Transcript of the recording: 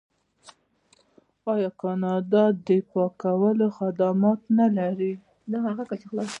آیا کاناډا د پاکولو خدمات نلري؟